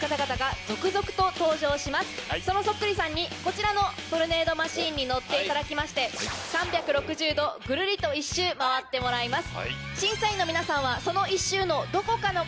そのそっくりさんにこちらのトルネードマシンに乗っていただきまして３６０度ぐるりと１周回ってもらいます。